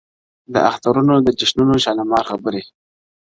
د اخترونو د جشنونو شالمار خبري٫